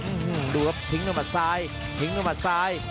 ดูครับทิ้งต้นมัดซ้ายทิ้งต้นมัดซ้าย